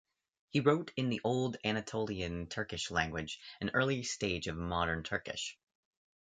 He wrote in the Old Anatolian Turkish language, an early stage of modern Turkish.